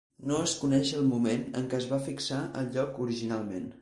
No es coneix el moment en què es va fixar el lloc originalment.